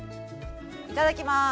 いただきます。